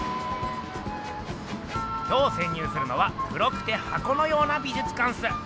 今日せん入するのは黒くて箱のような美術館っす。